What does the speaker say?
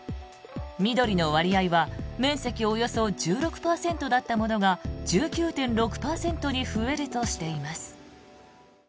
緑の割合は面積およそ１６％だったものが１９．６％に増えるとしています。